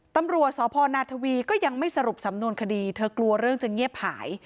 ตำรวจสพนาทวีก็ยังไม่สรุปสำนวนคดีเธอกลัวเรื่องจะเงียบหาย